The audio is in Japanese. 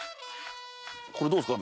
これどうすか？